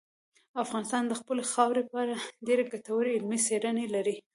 افغانستان د خپلې خاورې په اړه ډېرې ګټورې علمي څېړنې لري.